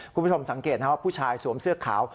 คุณผู้ชมสังเกตนะครับว่าผู้ชายสวมเสื้อขาว